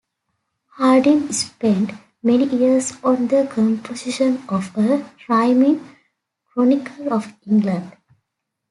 Hardyng spent many years on the composition of a rhyming chronicle of England.